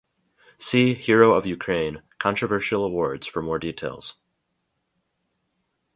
See Hero of Ukraine: Controversial awards for more details.